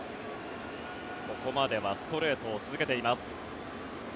ここまではストレートを続けています。